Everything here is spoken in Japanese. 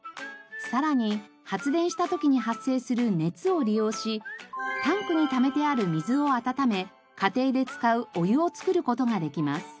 さらに発電した時に発生する熱を利用しタンクに貯めてある水を温め家庭で使うお湯を作る事ができます。